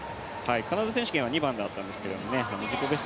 カナダ選手権は２番だったんですけれども自己ベスト